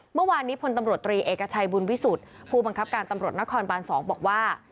เมื่อวานนี้พลตำรวจตรีเอกชัยบุญวิสุทธิ์ผู้บังคับการตำรวจนครบาน๒บอกว่า